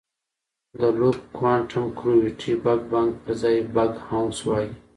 د لوپ کوانټم ګرویټي بګ بنګ پر ځای بګ باؤنس وایي.